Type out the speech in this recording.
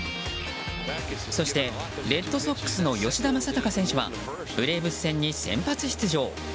そして、レッドソックスの吉田正尚選手はブレーブス戦に先発出場。